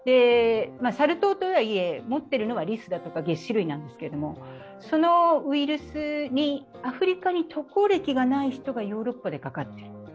サル痘とはいえ、持ってるのはリスだとか齧歯類なんですけれどもそのウイルスにアフリカに渡航歴がない人がヨーロッパでかかっている。